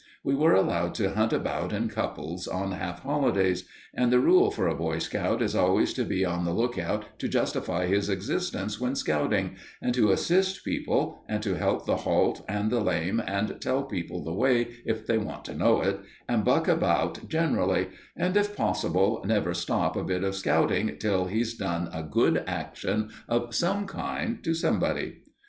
We were allowed to hunt about in couples on half holidays; and the rule for a Boy Scout is always to be on the look out to justify his existence when scouting, and to assist people, and help the halt and the lame, and tell people the way if they want to know it, and buck about generally, and, if possible, never stop a bit of scouting till he's done a good action of some kind to somebody.